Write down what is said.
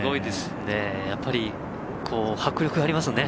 やっぱり迫力ありますね。